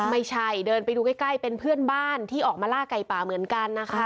ไม่ใช่เดินไปดูใกล้เป็นเพื่อนบ้านที่ออกมาล่าไก่ป่าเหมือนกันนะคะ